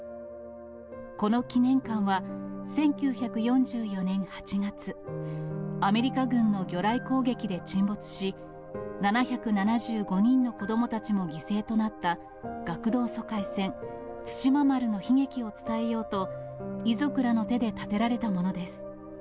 この記念館は、１９４４年８月、アメリカ軍の魚雷攻撃で沈没し、７７５人の子どもたちも犠牲となった学童疎開船、対馬丸の悲劇を伝えようと、遺族らの手で建てられたものです。